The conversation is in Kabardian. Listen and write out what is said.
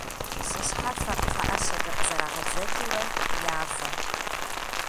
Щӏы щхьэфэр пхъэӏэщэкӏэ къызэрагъэдзэкӏыурэ явэ.